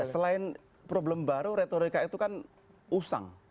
oh ya selain problem baru retorika itu kan usang